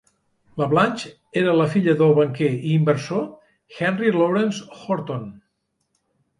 La Blanche era la filla del banquer i inversor Henry Lawrence Horton.